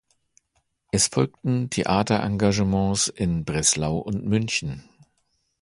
Es folgten Theaterengagements in Breslau und München.